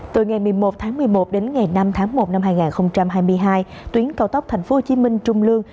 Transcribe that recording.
từ ngày một mươi một tháng một mươi một đến ngày năm tháng một năm hai nghìn hai mươi hai tuyến cao tốc tp hcm trung lương